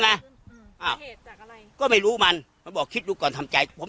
ทำตามที่แม่ทางแม่บอกทุกอย่าง